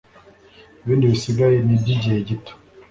Ibindi bisigaye nibyigihe gito